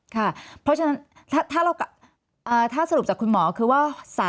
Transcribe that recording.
ค่ะเพราะฉะนั้นถ้าสรุปจากคุณหมอคือว่า